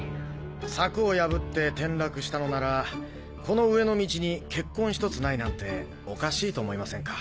柵を破って転落したのならこの上の道に血痕１つないなんておかしいと思いませんか？